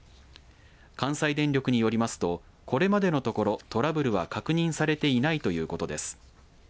関西電力によりますとこれまでのところトラブルは確認されていないということです。